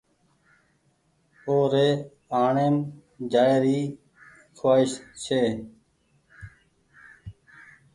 او ري آڻيم جآئي ر کوآئس ڇي۔